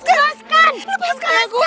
lepaskan lepaskan aku